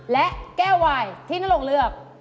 และแก้ววายที่นรงเลือก